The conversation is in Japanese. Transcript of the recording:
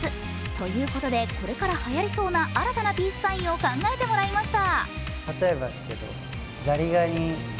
ということで、これからはやりそうな新たなピースサインを考えてもらいました。